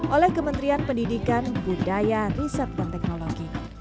oleh kementerian pendidikan budaya riset dan teknologi